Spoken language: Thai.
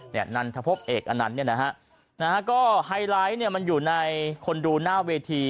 นันทพบเอกอนันต์เนี่ยนะฮะก็ไฮไลท์เนี่ยมันอยู่ในคนดูหน้าเวที